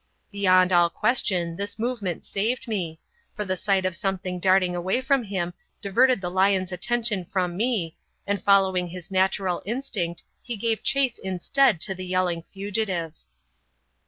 Beyond all question this movement saved me, for the sight of something darting away from him diverted the lion's attention from me, and following his natural instinct, he gave chase instead to the yelling fugitive.